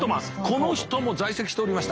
この人も在籍しておりました。